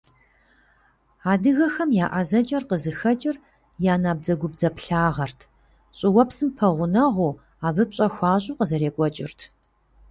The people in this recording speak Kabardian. Адыгэхэм я ӀэзэкӀэр къызыхэкӀыр я набдзэгубдзаплъагъэрт, щӀыуэпсым пэгъунэгъуу, абы пщӀэ хуащӀу къызэрекӀуэкӀырт.